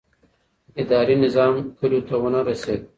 اداري نظام کلیو ته ونه رسېد.